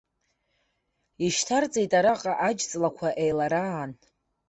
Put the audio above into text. Ишьҭарҵеит араҟа аџ-ҵлақәа еилараан.